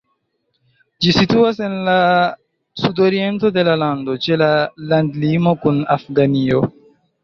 Ĝi situas en la sudoriento de la lando, ĉe la landlimo kun Afganio.